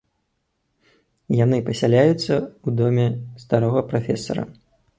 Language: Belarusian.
Яны пасяляюцца ў доме старога прафесара.